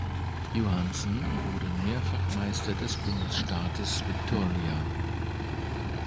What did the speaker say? Johansen wurde mehrfach Meister des Bundesstaates Victoria.